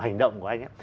hành động của anh